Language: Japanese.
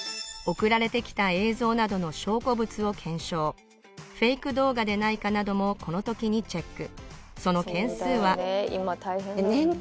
送られてきた映像などの証拠物を検証フェイク動画でないかなどもこの時にチェック